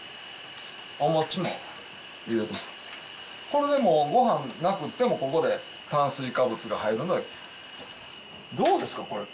これでもうご飯なくってもここで炭水化物が入るのでどうですかこれ？